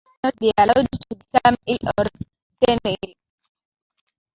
The king must not be allowed to become ill or senile.